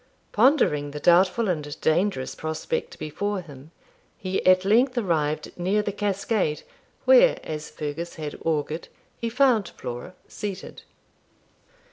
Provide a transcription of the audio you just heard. Pondering the doubtful and dangerous prospect before him, he at length arrived near the cascade, where, as Fergus had augured, he found Flora seated.